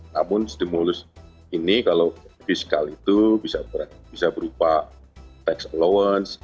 namun stimulus ini kalau fiskal itu bisa berupa tax allowance